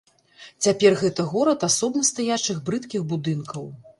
Цяпер гэта горад асобна стаячых брыдкіх будынкаў.